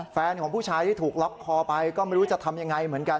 แฟนของผู้ชายที่ถูกล็อกคอไปก็ไม่รู้จะทำยังไงเหมือนกัน